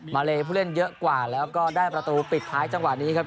เลผู้เล่นเยอะกว่าแล้วก็ได้ประตูปิดท้ายจังหวะนี้ครับ